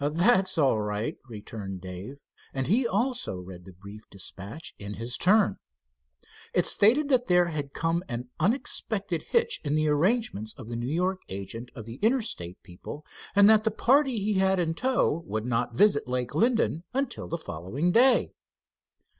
"That's all right," returned Dave, and he also read the brief dispatch in his turn. It stated that there had come an unexpected hitch in the arrangements of the New York agent of the Interstate people, and that the party he had in tow would not visit Lake Linden until the following day.